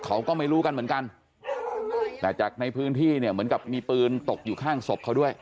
เขาก็ไม่รู้กันเหมือนกันแต่จากในพื้นที่เนี่ยเหมือนกับมีปืนตกอยู่ข้างศพเขาด้วย